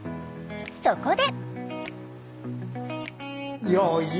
そこで！